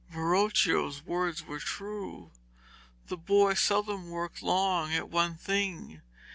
Verocchio's words were true; the boy seldom worked long at one thing.